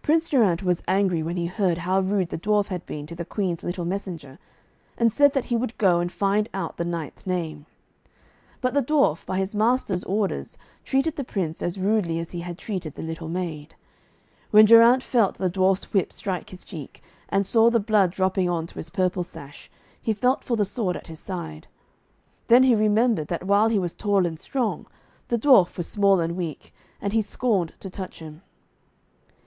Prince Geraint was angry when he heard how rude the dwarf had been to the Queen's little messenger, and said that he would go and find out the knight's name. But the dwarf, by his master's orders, treated the Prince as rudely as he had treated the little maid. When Geraint felt the dwarf's whip strike his cheek, and saw the blood dropping on to his purple sash, he felt for the sword at his side. Then he remembered that while he was tall and strong, the dwarf was small and weak, and he scorned to touch him.